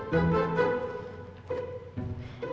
apa yang terjadi